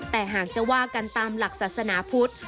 แต่หากจะว่ากันตามหลักศาสนาพุทธ